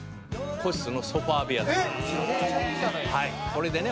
「これでね